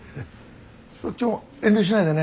そっちも遠慮しないでね。